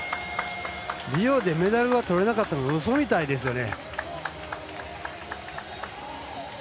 リオでメダルがとれなかったのうそみたいですよね。